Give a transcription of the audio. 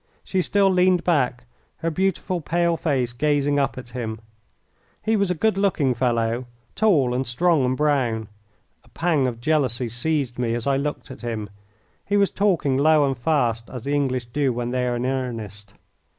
She still leaned back, her beautiful pale face gazing up at him. He was a good looking fellow tall, and strong, and brown; a pang of jealousy seized me as I looked at him. He was talking low and fast, as the English do when they are in earnest.